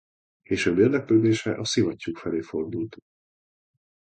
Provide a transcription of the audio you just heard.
Később érdeklődése a szivattyúk felé fordult.